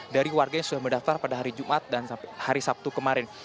dari warga yang sudah mendaftar pada hari jumat dan hari sabtu kemarin